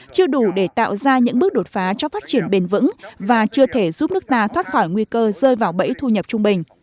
chưa đủ để tạo ra những bước đột phá cho phát triển bền vững và chưa thể giúp nước ta thoát khỏi nguy cơ rơi vào bẫy thu nhập trung bình